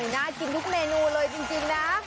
น่ากินทุกเมนูเลยจริงนะ